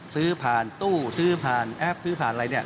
ซื้อผ่านตู้ซื้อผ่านแอปซื้อผ่านอะไรเนี่ย